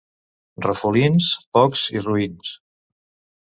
Rafolins, pocs i roïns.